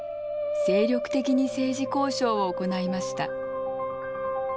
精力的に政治交渉を行いました。